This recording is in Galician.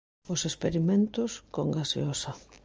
Os experimentos, con gaseosa.